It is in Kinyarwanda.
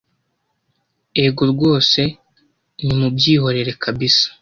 Ego rwose ni mubyihorere kabisa